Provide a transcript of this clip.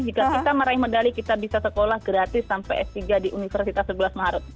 jika kita meraih medali kita bisa sekolah gratis sampai s tiga di universitas sebelas maret